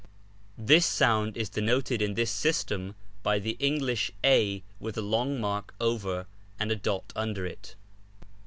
This sound is denoted in this system by the English p with a long mark over and a dot under it.